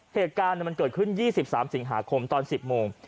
เหตุการณ์มันเกิดขึ้น๒๓สิงหาคมตอน๑๐โมง